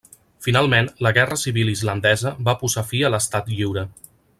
Finalment, la guerra civil islandesa va posar fi a l'estat lliure.